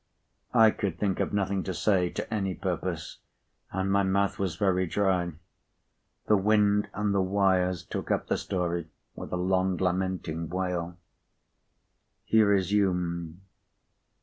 I could think of nothing to say, to any purpose, and my mouth was very dry. The wind and the wires took up the story with a long lamenting wail. He resumed.